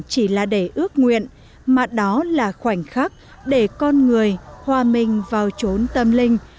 chỉ là để ước nguyện mà đó là khoảnh khắc để con người hòa mình vào trốn tâm linh